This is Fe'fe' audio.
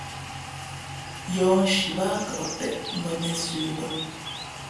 Yɔ̌hnshi báá kαʼ péʼ mbα mēnsə bᾱ.